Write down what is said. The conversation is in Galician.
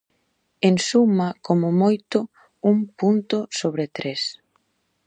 En suma: como moito un punto sobre tres.